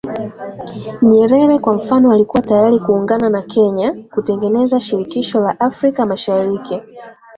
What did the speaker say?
Nyerere kwa mfano alikuwa tayari kuungana na Kenya kutengeneza Shirikisho la Afrika Mashariki